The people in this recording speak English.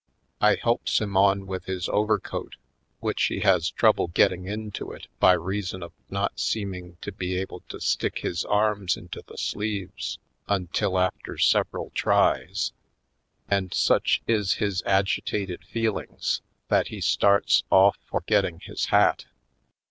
I helps him on with his overcoat, which he has trouble getting into it by reason of not seeming to be able to stick his arms into the sleeves until after several tries; and such is his agitated feelings that he starts off for getting his hat.